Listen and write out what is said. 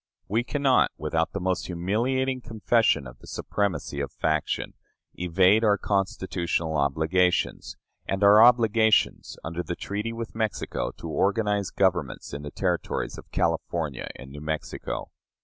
We cannot, without the most humiliating confession of the supremacy of faction, evade our constitutional obligations, and our obligations under the treaty with Mexico to organize governments in the Territories of California and New Mexico.